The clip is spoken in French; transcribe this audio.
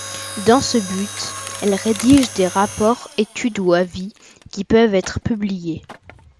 Dans ce but, elle rédige des rapports, études ou avis qui peuvent être publiés.